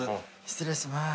失礼します。